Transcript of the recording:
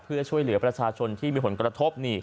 เพื่อช่วยเหลือประชาชนที่มีผลกระทบ